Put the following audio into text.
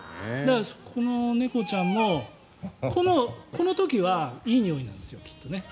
この猫ちゃんもこの時はいいにおいなんですよきっとね。